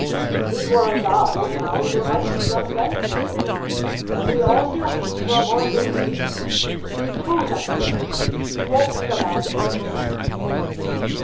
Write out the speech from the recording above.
If he wor a zow, now, there might be zome zenze in the thing; and we all feel weak for a morzel of meat. S'poze I kill him? He won't make a bad piece of pork."